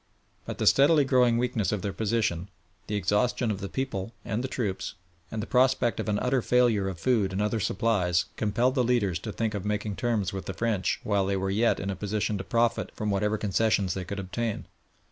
But the steadily growing weakness of their position, the exhaustion of the people and the troops, and the prospect of an utter failure of food and other supplies compelled the leaders to think of making terms with the French while they were yet in a position to profit from whatever concessions they could obtain.